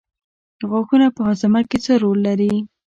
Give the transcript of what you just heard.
غاښونه په هاضمه کې څه رول لري